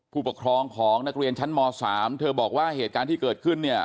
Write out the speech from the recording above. ผู้ปกครองของนักเรียนชั้นม๓เธอบอกว่าเหตุการณ์ที่เกิดขึ้นเนี่ย